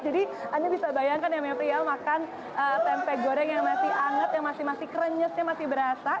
jadi anda bisa bayangkan ya mepri ya makan tempe goreng yang masih anget yang masih masih krenyesnya masih berasa